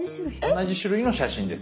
同じ種類の写真です